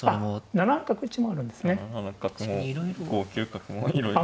７七角も５九角もいろいろ。